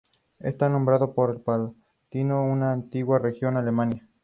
Sus padres fueron Guillermo P. Rodríguez y Sara Pol.